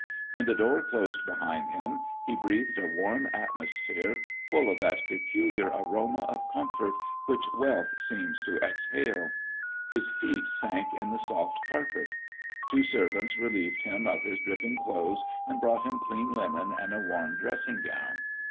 When the door closed behind him, he breathed a warm atmosphere full of that peculiar aroma of comfort which wealth seems to exhale. His feet sank in the soft carpet. Two servants relieved him of his dripping clothes and brought him clean linen and a warm dressing gown.